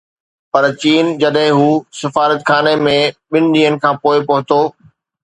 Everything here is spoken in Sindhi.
پرچين جڏهن هو سفارتخاني ۾ ٻن ڏينهن کان پوءِ پهتو